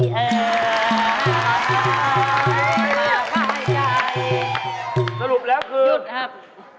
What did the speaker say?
สรุปแล้วคือนะครับ